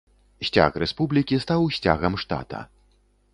Сцяг рэспублікі стаў сцягам штата.